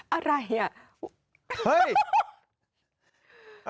อะไรอ่ะ